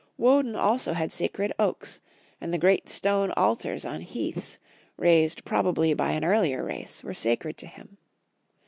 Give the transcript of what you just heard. Woden also had sacred oaks, and the great stone altars on heaths, raised probably by an earlier race, were sacred to him.